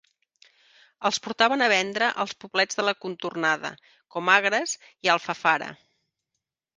Els portaven a vendre als poblets de la contornada, com Agres i Alfafara.